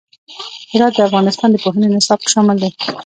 هرات د افغانستان د پوهنې نصاب کې شامل دی.